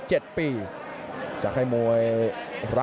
ขอบคุณครับ